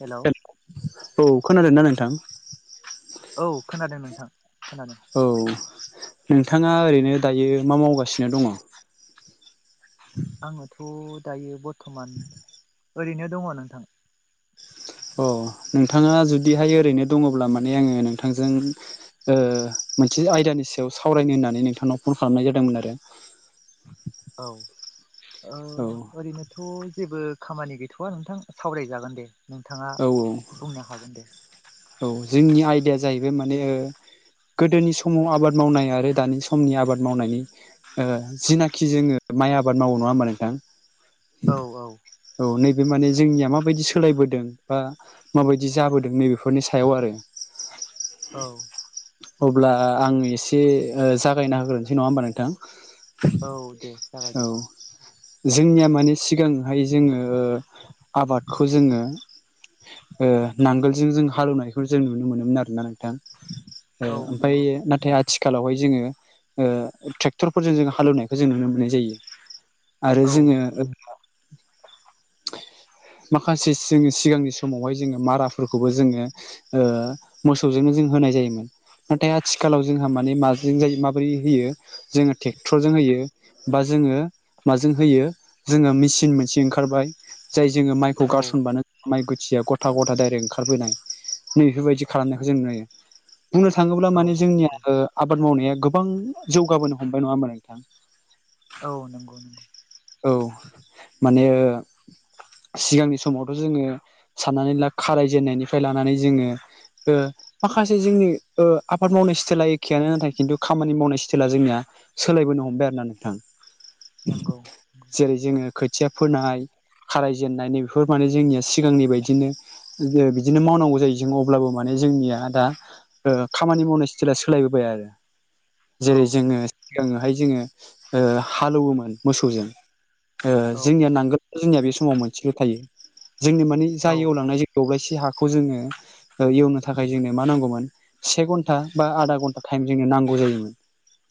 हेल' औ खोनादोंना नोंथां औ खोनादों नोंथां खोनादों औ नोंथाङा ओरैनो दायो मा मावगासिनो दङ आङोथ' दायो बर्थमान ओरैनो दङ नोंथां अ नोंथाङा जुदिहाय ओरैनो दङब्ला माने आङो नोंथांजों ओ मोनसे आयदानि सायाव सावरायनो होननानै नोंथांनाव फन खालामनाय जादोंमोन आरो औ ओ औ ओरैनो थ' जेबो खामानि गैथ'वा नोंथां सावरायजागोन दे नोंथाङा औ बुंनो हागोन दे औ जोंनि आयदाया जाहैबाय माने गोदोनि समाव आबाद मावनाय आरो दानि समनि आबाद मावनायनि ओ जिनाखि जोङो माइ आबाद मावो नङा होमबा नोंथां औ औ औ नैबे माने जोंनिया माबायदि सोलायबोदों बा माबायदि जाबोदों नैबेफोरनि सायाव आरो औ अब्ला आं एसे जागायना होग्रोनोसै नङा होमबा नोंथां औ दे जागाय औ दे जोंनिया माने सिगांहाय जोङो आबादखौ जोङो ओ नांगोलजों जों हालौवनायखौ जों नुनो मोनोमोन आरो ना नोंथां ओ औ ओमफ्राय नंगौ नाथाय आ आथिखालावहाय जोङो ओ ट्रेक्टरफोरजों जों हालेवनायखौ जों नुनो मोननाय जायो आरो औ जोङो माखासे जोङो सिगांनि समावहाय जोङो माराफोरखौबो जोङो ओ मोसौजोंनो जों होनाय जायोमोन नाथाय आथिखालाव जोंहा माने माजों जायो माबोरै होयो जोङो ट्रेक्टरजों होयो बा जोङो माजों होयो जोङो मेचिन मोनसे ओंखारबाय जाय जोङो माइखौ औ गारसनबानो माइ गुथिया गथा गथा डाइरेक्ट ओंखारबोनाय नै बेफोरबायदि खालामनायखौ जों नुयो बुंनो थाङोब्ला औ माने जोंनिया नंगौ ओ आबाद मावनाया गोबां जौगाबोनो हमबाय होनबा नोंथां औ नंगौ नंगौ औ माने ओ सिगांनि समावथ' जोङो साननानै ला खारायजेननायनिफ्राय लानानै जोङो ओ माखासे जोंनि ओ आबाद मावनाय स्टाइला एखेयानो नाथाय खिन्थु खामानि मावनाय स्टाइला जोंनिया सोलायबोनो हमबाय आरो ना नोंथां नंगौ नंगौ जेरै जोङो खोथिया फोनाय खाराय जेननाय नै बेफोर माने जोंनिया सिगांनि बायदिनो बिदिनो मावनांगौ जायो जों अब्लाबो माने जोंनिया दा ओ खामानि मावनाय सिथाइला सोलायबोबाय आरो औ जेरै जोङो नंगौ सिगाङावहाय जोङो हालौवोमोन मोसौजों ओ औ जोंनिया नांगोला जोंनिया बे समाव मोनसेल' थायो जोंनि मानिे औ जायगायाव लांनाय जाय दबलायसे हाखौ जोङो एवनो थाखाय जोंनो मा नांगौमोन से घन्टा बा आधा घन्टा टाइम जोंङनो नांगौ जायोमोन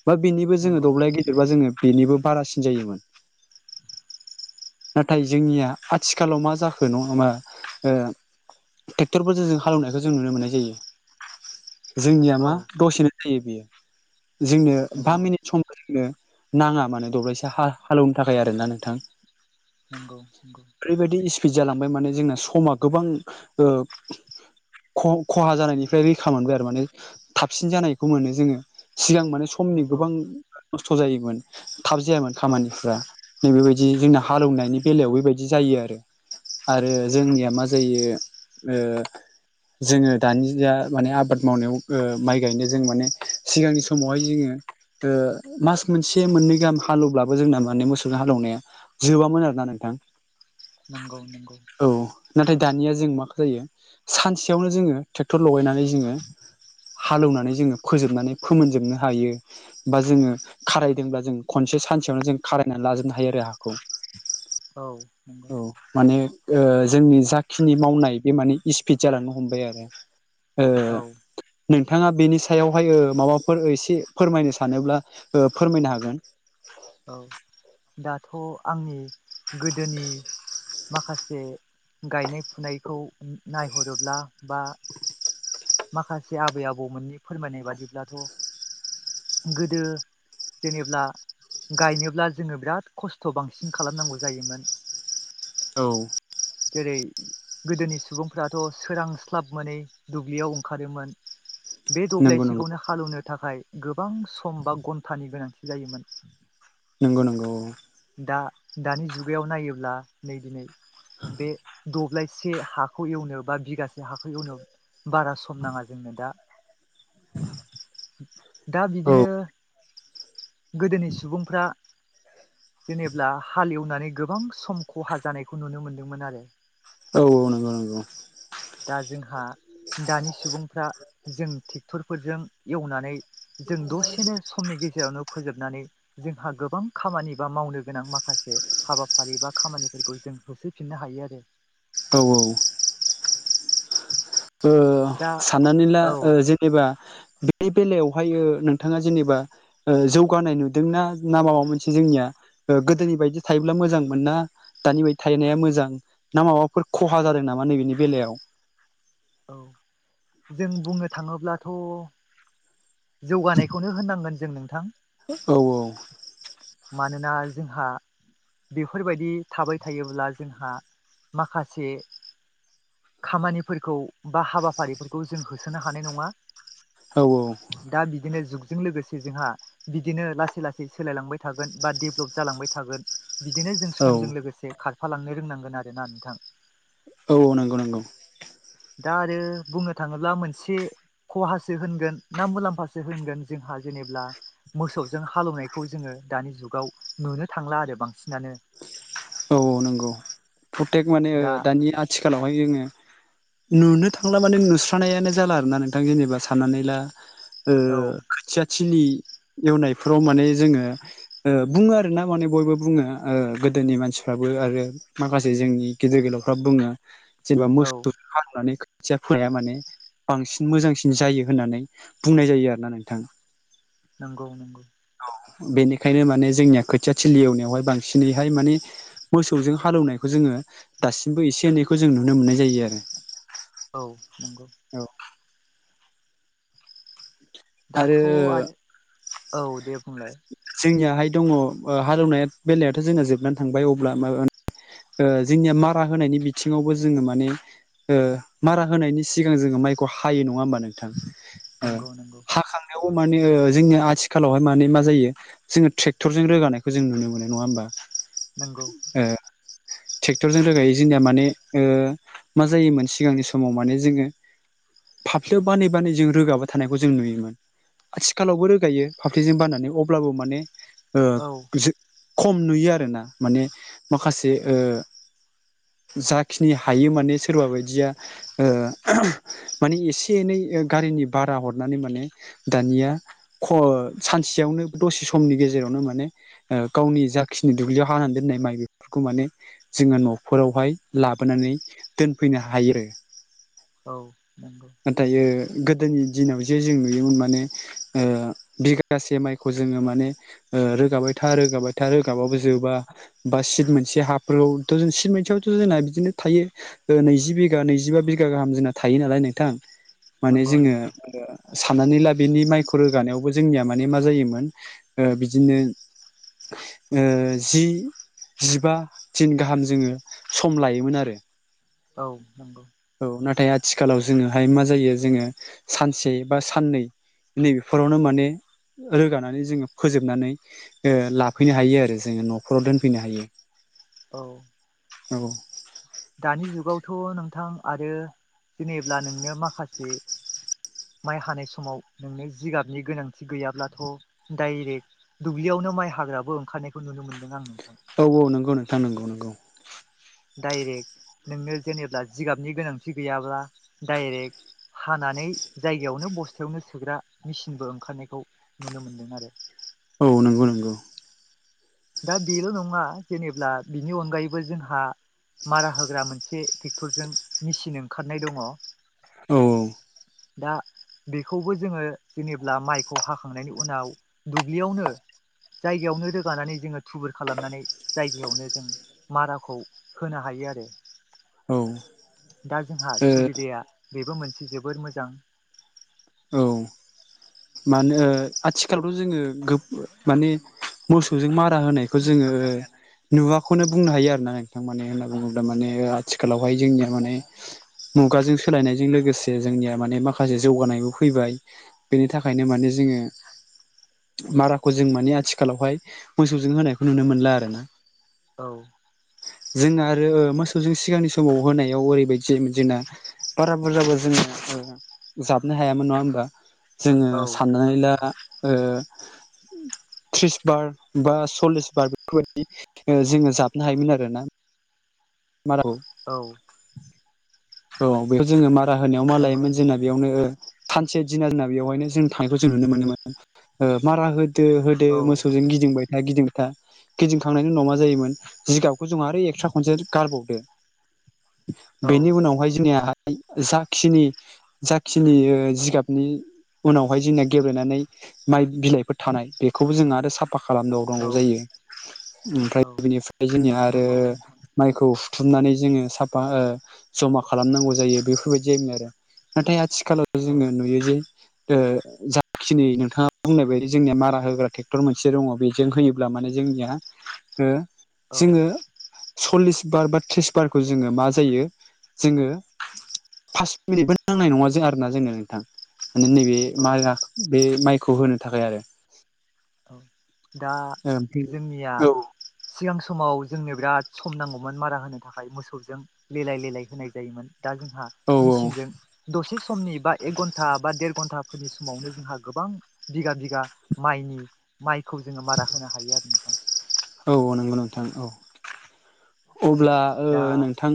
बा बेनिबो जोङो नंगौ दब्लाय गिदिरबा जोङो बेनिबो बारासिन जायोमोन। नाथाय जोंनिया आथिखालाव मा जाखो नङाबा ओ ट्रेक्टरफोरजों जों हालेवनायखौ जों नुनो मोननाय जायो। जोंनिया औ मा दसेनो जायो बेयो जोंनो बा नंगौ मिनिट समाव नो नाङा मानो दब्लायसे हा हालेवनो थाखाय आरोना नोंथां। नंगौ नंगौ ओरैबायदि इस्पिड जालांबाय माने जोंना समा गोबां ख-खहा जानायनिफ्राय रैखा मोनबाय आरो माने थाबसिन जानायखौ मोनो जोङो सिगां माने समनि नंगौ गोबां नस्थ' जायोमोन थाब जायामोन औ खामानिफ्रा नै बेबायदि जोंना हालोवनायनि बेलायाव बेबायदि जायो आरो आरो जोंनिया मा जायो ओ जोङो दानि जा माने आबाद मावनायाव माइ गायनो जों माने सिगांनि समावहाय जोङो ओ मास मोनसे मोननै गाहाम हालेवब्लाबो जोंना माने मोसौ हालेवनाया जोबामोन आरोना नोंथां नंगौ नंगौ औ नाथाय दानिया जों माो जायो सानसेयावनो जोङो ट्रेक्टर लगायनानै जोङो हालौनानै जोङो फोजोबनानै फोमोनजोबनो हायो। बा जोङो खारायदोंब्ला जों खनसे सानसेयावनो जों खाराय नानै लाजोबनो हायो आरो हाखौ औ औ नंगौ माने जोंनि जाखिनि मावनाय बे माने इपिड जालांनो हमबाय आरो ओ औ नोंथाङा बेनि सायावहाय ओ माबाफोर एसे फोरमायनो सानोब्ला फोरमायनो हागोन औ दाथ' आंनि गोदोनि माखासे गायनाय फुनायखौ नायहरोब्ला बा माखासे आबै आबौमोननि फोरमायनाय बादिब्लाथ' गोदो जेनेब्ला गायनोब्ला जोङो बिराद खस्थ' बांसिन खालामनांगौ जायोमोन औ जेरै गोदोनि सुबुंफ्राथ' सोरांस्लाब मोनै दुब्लियाव ओंखारोमोन बे नंगौ नंगौ दब्लायसिखौनो हालेवनो थाखाय गोबां सम बा घन्टानि गोनांथि जायोमोन नंगौ नंगौ औ दा दानि जुगायाव नायोब्ला नै दिनै बे दब्लायसे हा हाखौ एवनायाव बा बिगासे हाखौ एवनायाव बारा सम नाङा जोंनो दा। दा औ बिदिनो गोदोनि सुबुंफ्रा जेनब्ला हालेवनानै गोबां सम खहा जानायखौ नुनो मोन्दोंमोन आरो औ औ नंगौ नंगौ दा जोंहा दानि सुबुंफ्रा जों ट्रेक्टरफोरजों एवनानै जों दसेनो समनि गेजेरावनो फोजोबनानै जोंहा गोबां खामानि बा मावनो गोनां माखासे हाबाफारि बा खामानिफोरखौ जों होसोफिननो हायो आरो औ औ ओ दा साननानै ला औ ओ जों जेनेबा बे बेलायावहायो नोंथाङा जेनेबा जौगानाय नुदोंना ना माबा मोनसे जोंनिया गोदोनि बायदि थायोब्ला मोजां मोनना? दानि बायदि थाहैनाया मोजां ना माबाफोर खहा जादों नामा नैबेनि बेलायाव औ जों बुंनो थाङोब्लाथ' जौगानायखौनो होननांगोन जों नोंथां। औ औ। मानोना जोंहा। बेफोरबायदि थाबाय थायोब्ला जोंहा माखासे। खामानिफोरखौ बा हाबाफारिफोरखौ जों होसोनो हानाय नङा। औ औ। दा बिदिनो जुगजों लोगोसे जोंहा बिदिनो लासै लासै सोलायलांबाय। थागोन बा देभेलप जालांबाय थागोन बिदिनो जों औ समजों लोगोसे। एसे खारफालांनो रोंनांगोन आरो ना नोंथां। औ औ नंगौ नंगौ। दा आरो बुंनो थाङोब्ला मोनसे। खहासो होनगोन ना मुलाम्फासो होनगोन जोंहा जेनेब्ला मोसौजों हालेवनायखौ जोङो दानि जुगाव नुनो थांला आरो बांसिनानो। औ नंगौ प्रतेक माने दा दानि आथिखालावहाय जोङो। नुनो थांला माने नुस्रानायानो जाला आरो ना नोंथां जेनेबा साननानै ला। ओ औ खोथिया। थिलि एवनायफ्राव माने जोङो बुङो आरो ना माने बयबो बुङो। ओ गोदोनि मानसिफ्राबो आरो माखासे जोंनि गेदेर गोलावफ्रा बुङो। जेनेबा औ मोसौ हालनानै खोथिया फोनाया माने। बांसिन मोजांसिन जायो होननानै बुंनाय जायो आरोना नोंथां। नंगौ नंगौ। औ बेनिखायनो माने जोंनिया खोथिया थिलि एवनायावहाय बांसिनैहाय माने। मोसौजों हालौवनायखौ जोङो दासिमबो एसे एनैखौ जों नुनो मोननाय जायो आरो। औ नंगौ। औ दाथ' आरो औ दे। बुंलाय जोंनियाहाय दङ हालेवनाय बेलायाथ' जोंना जोबनानै थांबाय अब्ला ओ जोंनिया मारा होनायनि बिथिङावबो जोङो माने। ओ मारा होनायनि सिगां जोङो माइखौ हायो नङा होमबा नोंथां। नंगौ नंगौ हाखांनायावबो माने जोंनि आथिखालावहाय माने मा जायो जोङो ट्रेक्टरजों रोगानायखौ जों नुनो मोनो नङा होमबा। नोंगौ। ए। ट्रेक्टरजों रोगायै जोंनिया माने मा जायोमोन सिगांनि समाव माने जोङो। फाफ्लियाव बानै बानै जों रोगाबा थानायखौ जों नुयोमोन। आथिखालावबो रोगायो फाफ्लिजों बानानै अब्लाबो माने गो औ खम नुयो आरो ना माने माखासे। जाखिनि हायो माने सोरबा बायदिया। ओ माने एसे एनै गारिनि भारा हरनानै माने दानिया सानसेयावनो दसे समनि गेजेरावनो माने गावनि जाखिनि दुब्लियाव हानानै दोननाय माइ बेफोरखौ माने जोङो न'फोरावहाय लाबोनानै दोनफैनो हायो। औ नंगौ। दायो गोदोनि दिनाव जे जों नुयोमोन माने ओ बिगासे माइखौ जोङो माने ओ रोगाबाय था रोगाबाय था रोगाबाबो जोबा। बा सिट मोनसे हाफोराव जों सिट मोनसेयावथ' जोंना बिदिनो थायो। नैजि बिघा नैजिबा बिघा गाहाम जोंना थायो नालाय नोंथां माने नंगौ जोङो नंगौ साननानै ला बेनि माइखौ रोगानायावबो जोंनिया माने मा जायोमोन ओ बिदिनो ओ जि जिबा दिन गाहाम जोङो सम लायोमोन आरो। औ नंगौ। औ नाथाय आथिखालाव जोङोहाय मा जायो जोङो सानसे बा साननै। नैबेफोरावनो माने रोगानानै जोङो फोजोबनानै ओ लाफैनो हायो आरो जोङो न'खराव दोनफैनो हायो। औ औ दानि जुगावथ' नोंथां आरो जेनेब्ला नोंनो माखासे माइ हानाय समाव नोंनो जिगाबनि गोनांथि गैयाब्लाथ' डाइरेक्ट दुब्लियावनो माइ हाग्राबो ओंखारनायखौ नुनो मोनदों आं नोंथां। औ औ नंगौ नोंथां नंगौ नोंगौ। डाइरेक नोंनो जेनेब्ला जिगाबनि गोनांथि गैयाब्ला डाइरेक हानानै जायगायावनो बस्थायावनो सोग्रा मेसिनबो ओंखारनायखौ नुनो मोनदों आरो। औ नंगौ नंगौ दा बेल' नङा जेनेब्ला बिनि अनगायैबो जोंहा मारा होग्रा मोनसे टेक्टरजों मेसिन ओंखारनाय दङ। औ औ दा बेखौबो जोङो जेनेब्ला माइखौ हाखांनायनि उनाव दुब्लियावनो जायगायावनो रोगानानै जोङो थुबुर खालामनानै जायगायावनो जों माराखौ होनो हायो आरो। औ ओ दा जोंहा सुबिदाया बेबो मोनसे जोबोर मोजां। औ मानो आथिखालावथ' जोङो गोब माने मोसौजों मारा होनायखौ जोङो नुवाखौनो बुंनो हायो आरो ना नोंथां। माने होनना बुङोब्ला माने आथिखालावहाय जोंनिया माने मुगाजों सोलायनायजों लोगोसे जोंनिया माने माखासे जौगानायबो फैबाय। बेनि थाखायनो माने जोङो माराखौ जों माने आथिखालावहाय मोसौजों होनायखौ नुनो मोनला आरो ना। औ जों आरो मोसौजों सिगांनि समाव होनायाव ओरैबायदि जायोमोन जोंना बारा बुरजाबो जोङो ओ जाबनो हायामोन नङा होमबा? जोङो औ साननानै ला ओ थ्रिस बार बा सल्लिस बार बेफोरबायदि ओ जोङो जाबनो हायोमोन आरोना माराखौ। औ औ बेखौ जोङो मारा होनायाव मा नंगौ लायोमोन जोंना नोंथां बेयावनो थानसे दिना होनना बेवहायनो जों थांनायखौ जों नुनो मोनो मोनो। ओ मारा हो दो होदो औ मोसौजों गिदिंबाय था गिदिंबाय था गिदिंखांनायनि उनाव मा जायोमोन, जिगाबखौ जोंहा आरो एक्सट्रा खनसे गारबावदो। औ बेनि उनावहाय जोंनिया ओ जाखिनि जाखिनि ओ जिगाबनि उनावहाय जोंना गेब्लेनानै माइ बिलाइफोर थानाय बेखौबो जोंहा आरो साफ फा खालाम औ दावनांगौ जायो। ओमफ्राय औ बिनिफ्राय जोंनिया आरो नंगौ नोंथां माइखौ हुथुमनानै जोङो साफा ओ ज'मा खालामनांगौ जायो बेफोरबायदि जायोमोन आरो। नाथाय आथिखालाव जोङो नुयो जे ओ जाखिनि नोंथाङा बुंनाय बायदि जोंनिया मारा होग्रा ट्रेक्टर मोनसे दङ। बे जों होयोब्ला माने जोंनिया ओ औ जोङो सल्लिस बार बा थ्रिस बारखौ जोङो मा जायो। जोङो फास मिनिटबो नांनाय नङा जों आरो ना जोंनो नोंथां। माने नैबे ए औ मारा बे माइखौ होनो थाखाय आरो। औ दा ओमफ्राय जोंनिया औ सिगां समाव जोंनो बिराद सम नांगौमोन मारा होनो थाखाय मोसौजों लेलाय लेलाय होनाय जायोमोन। दा जोंहा औ मेसिनजों दसे समनि बा एक घन्टा बा देर घन्टा फोरनि समावनो जोंहा गोबां बिगा बिगा माइनि माइखौ जोङो मारा होनो हायो आरो नोंथां। औ नंगौ नोंथां। औ अब्ला ओ दा नोंथां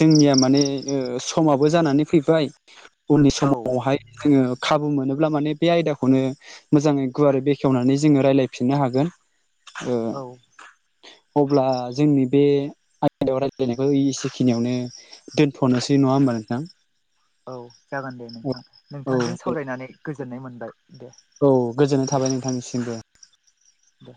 जोंनिया माने ओ समाबो जानानै फैबाय। उननि औ समावहाय जोङो खाबु मोनोब्ला माने बे आयदाखौनो मोजाङै गुवारै बेखेवनानै जोङो रायज्लायफिननो हागोन औ अब्ला जोंनि बे आयदायाव रायज्लायनायखौ एसेखिनियावनो दोनथ'नोसै नङा होमबा नोंथां औ जागोन दे नोंथां औ नोंथांजों दे सावरायनानै गोजोननाय मोनबाय दे। औ गोजोननाय थाबाय नोंथांनिसिमबो। दे।